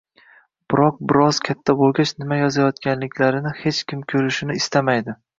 biroq bir oz katta bo‘lgach, nima yozayotganliklarini hech kim ko'rishini istamaydi.